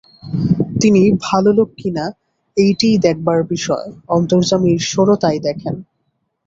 তিনি ভালো লোক কিনা এইটেই দেখবার বিষয়– অন্তর্যামী ঈশ্বরও তাই দেখেন।